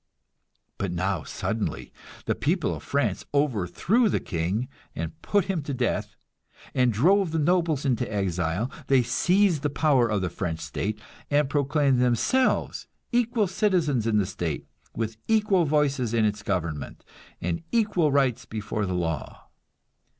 But now suddenly the people of France overthrew the king, and put him to death, and drove the nobles into exile; they seized the power of the French state, and proclaimed themselves equal citizens in the state, with equal voices in its government and equal rights before the law.